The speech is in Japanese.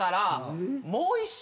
もう１社？